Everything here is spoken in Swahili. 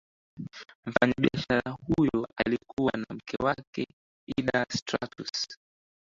mfanyabishara huyo alikuwa na mke wake ida strauss